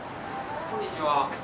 こんにちは。